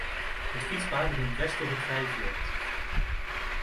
It fytspaad rint dwers troch it frije fjild.